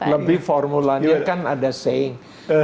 lebih formulanya kan ada saing